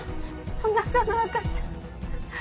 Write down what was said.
お腹の赤ちゃん。